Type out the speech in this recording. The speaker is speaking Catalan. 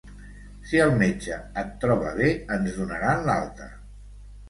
Si el metge el troba bé ens donaran l'alta.